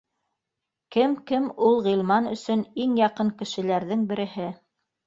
Кем, кем, ул Ғилман өсөн иң яҡын кешеләрҙең береһе